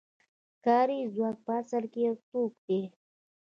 کاري ځواک په اصل کې یو توکی دی